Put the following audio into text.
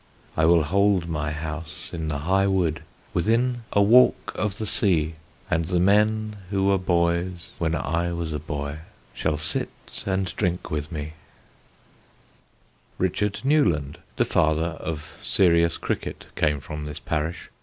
I will hold my house in the high wood Within a walk of the sea, And the men who were boys when I was a boy Shall sit and drink with me. [Sidenote: NEWLAND, NYREN, AND SILVER BILLY] Richard Newland, the father of serious cricket, came from this parish.